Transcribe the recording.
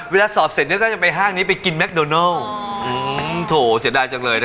สมัยก่อนยุคเราวัยรุ่นเพิ่งเกิดเลยนะ